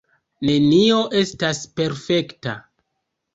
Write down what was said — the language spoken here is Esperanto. Nenio estas perfekta.